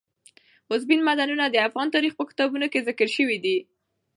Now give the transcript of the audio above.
اوبزین معدنونه د افغان تاریخ په کتابونو کې ذکر شوی دي.